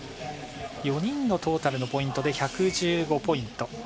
４人のトータルのポイントで１１５ポイント。